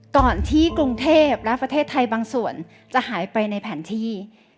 ก่อนที่กรุงเทพและประเทศไทยบางส่วนจะหายไปในแผนที่